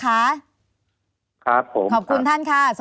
ครับผมสวัสดีค่ะขอบคุณท่านค่ะ